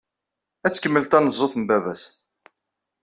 Ad tkemmel tanezzut n baba-s.